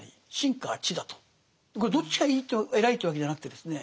これどっちがいいと偉いというわけじゃなくてですね